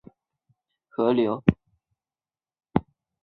苏茂逃到下邳郡和董宪合流。